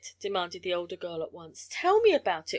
demanded the older girl at once. "Tell me about it.